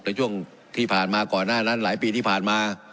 ในช่วงที่ผ่านมาก่อนหน้านั้นหลายปีที่ผ่านมา